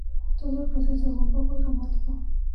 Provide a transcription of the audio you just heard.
Todo el proceso fue un poco traumático".